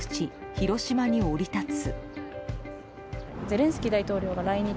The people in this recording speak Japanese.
・広島に降り立つ。